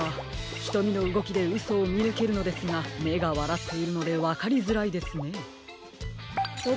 ひとみのうごきでうそをみぬけるのですがめがわらっているのでわかりづらいですね。